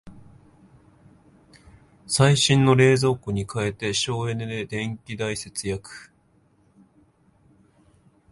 最新の冷蔵庫に替えて省エネで電気代節約